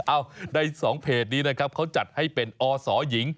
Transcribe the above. ในสองเพจนี้นะครับเขาจัดให้เป็นอสหญิง